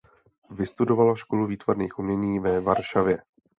Vystudovala školu výtvarných umění ve Varšavě.